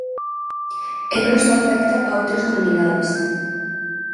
E non só afecta a outras comunidades.